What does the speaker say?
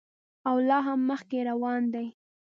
او لا هم مخکې روان دی.